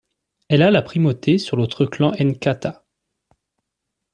Elle a la primauté sur l'autre clan Nkata.